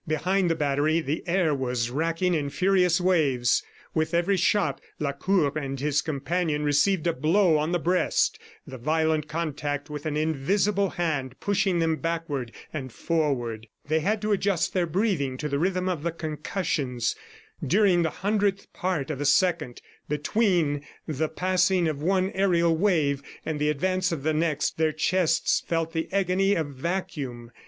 Behind the battery, the air was racking in furious waves. With every shot, Lacour and his companion received a blow on the breast, the violent contact with an invisible hand, pushing them backward and forward. They had to adjust their breathing to the rhythm of the concussions. During the hundredth part of a second, between the passing of one aerial wave and the advance of the next, their chests felt the agony of vacuum.